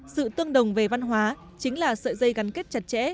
sự tương đồng về văn hóa chính là sợi dây gắn kết chặt chẽ